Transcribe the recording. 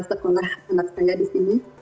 sekolah anak saya di sini